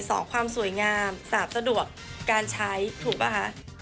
สองความสวยงามสามสะดวกการใช้ถูกป่ะคะ